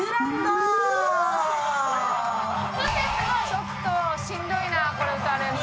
ちょっとしんどいなこれ歌われるの。